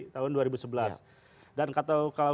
tahun dua ribu sebelas dan kalau